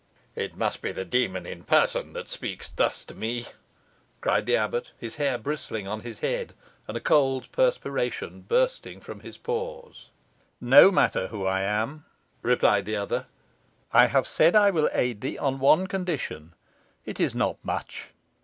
"It must be the Demon in person that speaks thus to me," cried the abbot, his hair bristling on his head, and a cold perspiration bursting from his pores. "No matter who I am," replied the other; "I have said I will aid thee on one condition. It is not much.